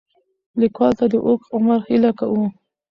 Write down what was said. لیکوال ته د اوږد عمر هیله کوو.